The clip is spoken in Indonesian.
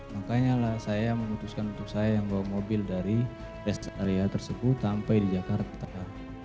makanya lah saya memutuskan untuk saya yang bawa mobil dari rest area tersebut sampai di jakarta tengah